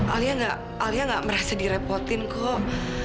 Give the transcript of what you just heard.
alia alia gak merasa direpotin kok